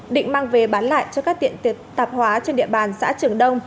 định mang về bán lại cho các tiệm tạp hóa trên địa bàn xã trường đông